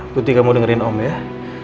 putih kamu dengerin om ya